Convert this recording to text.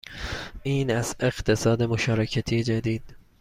این است اقتصاد مشارکتی جدید